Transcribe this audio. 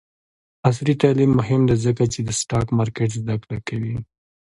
عصري تعلیم مهم دی ځکه چې د سټاک مارکیټ زدکړه کوي.